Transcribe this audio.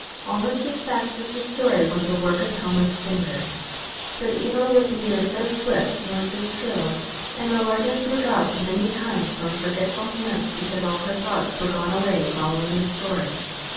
Almost as fast as the story went the work of Helma's fingers. But Ivra was neither so swift nor so skilled, and the leggins were dropped many times from forgetful hands because all her thoughts were gone away following the story.